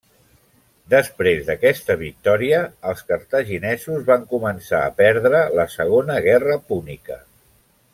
Després d'aquesta victòria, els cartaginesos van començar a perdre la Segona Guerra Púnica.